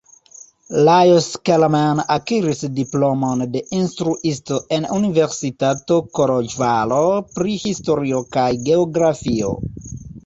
Lajos Kelemen akiris diplomon de instruisto en Universitato Koloĵvaro pri historio kaj geografio.